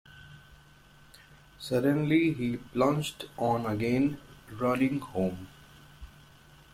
Suddenly he plunged on again, running home.